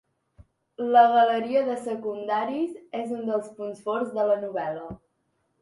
La galeria de secundaris és un dels punts forts de la novel·la.